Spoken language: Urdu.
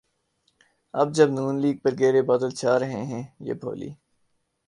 اب جب نون لیگ پہ گہرے بادل چھا رہے ہیں‘ یہ بھولی